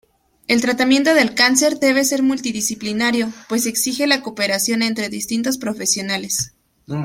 El tratamiento del cáncer debe ser multidisciplinario, pues exige la cooperación entre distintos profesionales.